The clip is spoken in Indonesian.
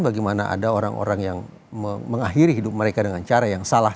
bagaimana ada orang orang yang mengakhiri hidup mereka dengan cara yang salah